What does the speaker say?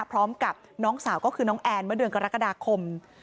พร้อมกับน้องสาวก็คือน้องแอนเมื่อเดือนกรกฎาคม